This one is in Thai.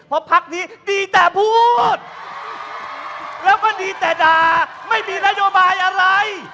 เพราะพักนี้ดีแต่พูดแล้วก็ดีแต่ด่าไม่มีนโยบายอะไร